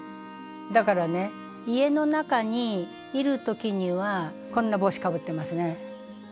だからね家の中にいる時にはこんな帽子かぶってますね。